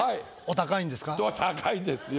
高いですよ。